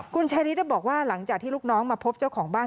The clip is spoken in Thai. คุณชายฤทธิบอกว่าหลังจากที่ลูกน้องมาพบเจ้าของบ้าน